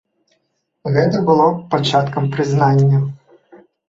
Гэта было пачаткам прызнання.